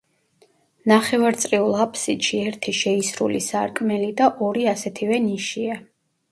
ნახევარწრიულ აფსიდში ერთი შეისრული სარკმელი და ორი ასეთივე ნიშია.